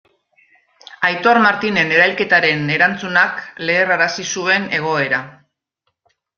Aitor Martinen erailketaren erantzunak leherrarazi zuen egoera.